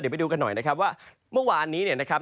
เดี๋ยวไปดูกันหน่อยนะครับว่าเมื่อวานนี้นะครับ